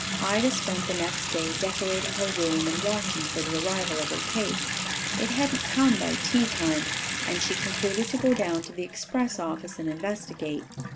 Ida spent the next day decorating her room and watching for the arrival of her cake. It hadn't come by tea time, and she concluded to go down to the express office and investigate.